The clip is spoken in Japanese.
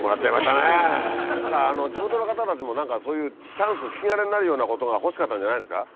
ただ地元の方たちも何かそういうチャンス引き金になるようなことが欲しかったんじゃないですか？